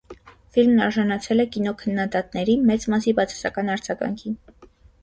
Ֆիլմն արժանացել է կինոքննադատների մեծ մասի բացասական արձագանքին։